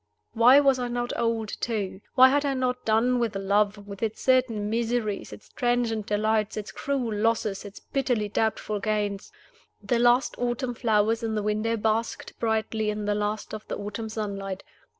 Why was I not old too? Why had I not done with love, with its certain miseries, its transient delights, its cruel losses, its bitterly doubtful gains? The last autumn flowers in the window basked brightly in the last of the autumn sunlight.